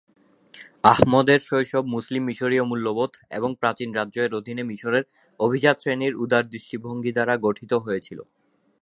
আহমদের শৈশব মুসলিম মিশরীয় মূল্যবোধ এবং "প্রাচীন রাজ্য" এর অধীনে মিশরের অভিজাত শ্রেণীর উদার দৃষ্টিভঙ্গি দ্বারা গঠিত হয়েছিল।